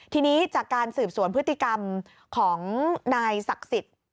ทีนี้จากการสืบสวนพฤติกรรมของนายศักดิ์สิทธิ์